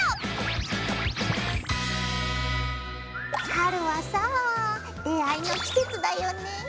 春はさぁ出会いの季節だよね？